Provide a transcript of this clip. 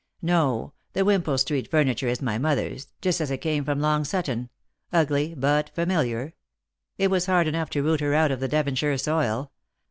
" No ; the Wimpole street furniture is my mother's, just as it came from Long Sutton — ugly, but familiar. It was hard enough to root her out of the Devonshire soil.